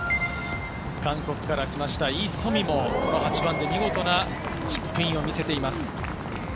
韓国から来たイ・ソミも８番で見事なチップインを見せています。